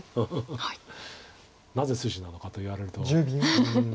なぜ筋なのかと言われると。